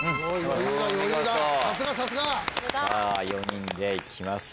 ４人でいきます。